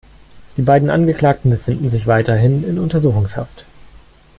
Die beiden Angeklagten befinden sich weiterhin in Untersuchungshaft.